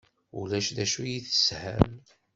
Ulac d acu i tesham?